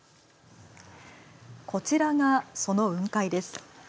こちらが、その雲海です。